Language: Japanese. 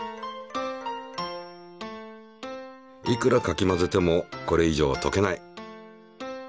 いくらかき混ぜてもこれ以上はとけない。